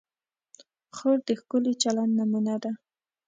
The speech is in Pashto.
خور د ښکلي چلند نمونه ده.